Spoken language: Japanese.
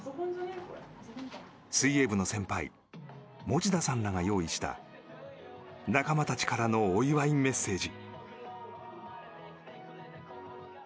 水泳部の先輩持田さんらが用意した仲間たちからのお祝いメッセージ。